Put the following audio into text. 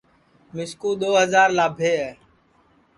مِسکُو دؔو ہجار لابھے ہے